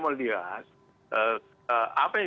melihat apa yang